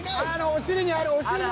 お尻にあるお尻の。